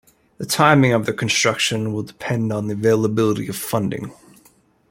The timing of their construction will depend on the availability of funding.